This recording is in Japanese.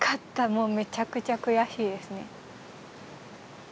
もうめちゃくちゃ悔しいですね。